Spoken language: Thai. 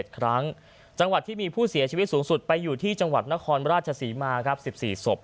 ๗ครั้งจังหวัดที่มีผู้เสียชีวิตสูงสุดไปอยู่ที่จังหวัดนครราชศรีมาครับ๑๔ศพ